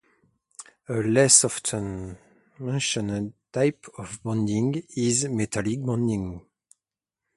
A less often mentioned type of bonding is "metallic" bonding.